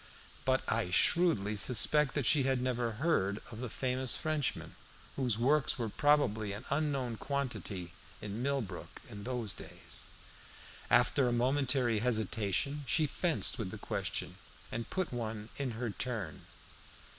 But I shrewdly suspect that she had never heard of the famous Frenchman, whose works were probably an unknown quantity in Millbrook in those days. After a momentary hesitation she fenced with the question, and put one in her turn.